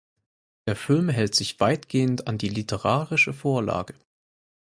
Der Film hält sich weitgehend an die literarische Vorlage.